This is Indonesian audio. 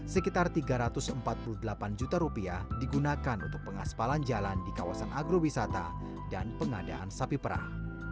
sekitar tiga ratus empat puluh delapan juta rupiah digunakan untuk pengaspalan jalan di kawasan agrowisata dan pengadaan sapi perah